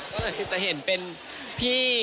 ก็เลยจะเห็นเป็นพี่